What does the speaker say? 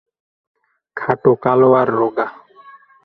খাটো, কালো আর রোগা।